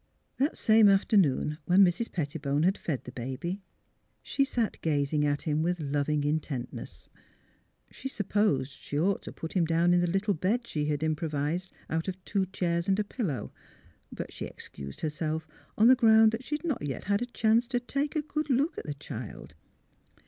That same afternoon when Mrs. Pettibone had fed the baby, she sat gazing at him with loving intentness. She supposed she ought to put him down in the little bed she had improvised out of two chairs and a pillow, but she excused herself on the ground that she had not yet had a chance to take a good look at the child.